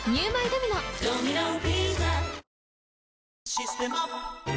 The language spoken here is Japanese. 「システマ」